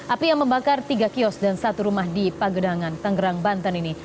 api yang membakar tiga kios dan satu rumah di pagedangan tanggerang banten ini